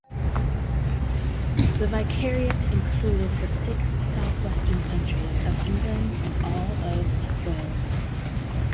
The Vicariate included the six south-western counties of England and all of Wales.